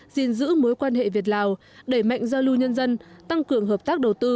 gìn giữ mối quan hệ việt lào đẩy mạnh giao lưu nhân dân tăng cường hợp tác đầu tư